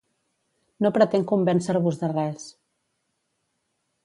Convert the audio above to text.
No pretenc convèncer-vos de res.